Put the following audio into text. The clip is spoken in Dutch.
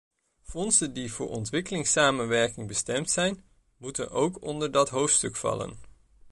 Fondsen die voor ontwikkelingssamenwerking bestemd zijn, moeten ook onder dat hoofdstuk vallen.